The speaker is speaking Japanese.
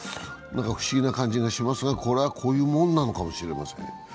不思議な関係がしますが、こういうものなのかもしれません。